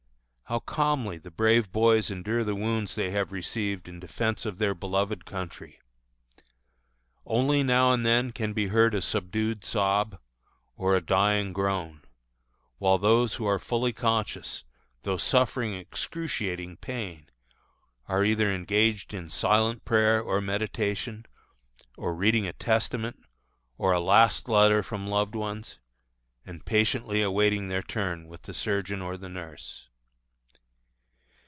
How calmly the brave boys endure the wounds they have received in defence of their beloved country! Only now and then can be heard a subdued sob, or a dying groan; while those who are fully conscious, though suffering excruciating pain, are either engaged in silent prayer or meditation, or reading a Testament or a last letter from loved ones, and patiently awaiting their turn with the surgeon or the nurse.